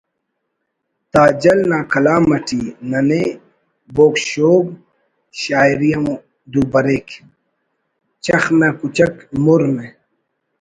تاجل نا کلام اٹی ننے بوگ شوگ شاعری ہم دو بریک: چخ مہ کچک مُرمہ